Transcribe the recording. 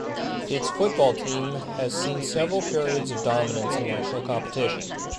Its football team has seen several periods of dominance in national competition.